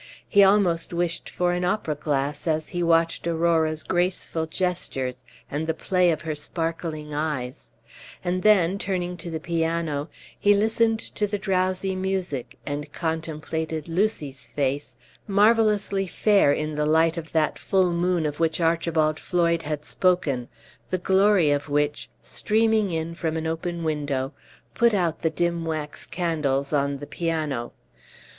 He almost wished for an opera glass as he watched Aurora's graceful gestures and the play of her sparkling eyes; and then, turning to the piano, he listened to the drowsy music, and contemplated Lucy's face, marvellously fair in the light of that full moon of which Archibald Floyd had spoken, the glory of which, streaming in from an open window, put out the dim wax candles on the piano.